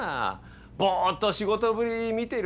ぼっと仕事ぶり見てるだけだし。